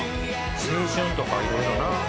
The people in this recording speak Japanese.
青春とかいろいろな。